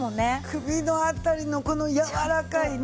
首の辺りのこの柔らかいね。